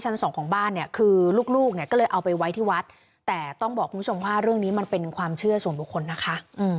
ลูกลูกก็เลยเอาไปทิ้งวัดแต่ต้องบอกคุณพี่จมว่าเรื่องนี้มันเป็นความเชื่อส่วนบุคคลนะคะ